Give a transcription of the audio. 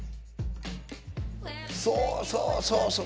そうそうそうそう！